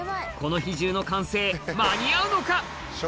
この日中の完成、間に合うのか。